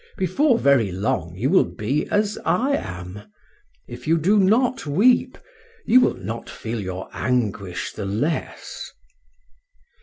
Before very long you will be as I am; if you do not weep, you will not feel your anguish the less."